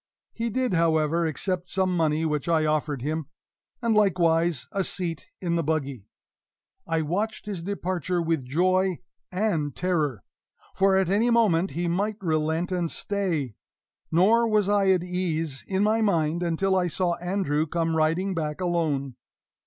He did, however, accept some money which I offered him, and likewise a seat in the buggy. I watched his departure with joy and terror for at any moment he might relent and stay; nor was I at ease in my mind until I saw Andrew come riding back alone.